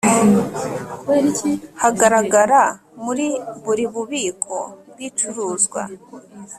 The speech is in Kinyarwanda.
hagaragara muri buri bubiko bw ibicuruzwa